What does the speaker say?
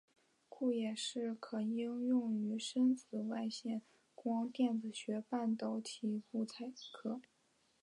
故也是可应用于深紫外线光电子学的半导体物料。